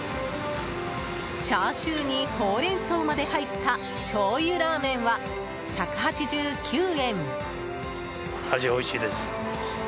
チャーシューにホウレンソウまで入ったしょうゆラーメンは１８９円。